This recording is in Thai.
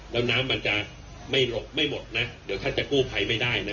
แล้วน้ำมันจะไม่หมดนะเดี๋ยวถ้าจะกู้ภัยไม่ได้นะ